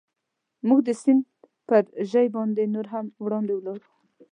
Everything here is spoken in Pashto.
موږ د سیند پر ژۍ باندې نور هم وړاندې ولاړو.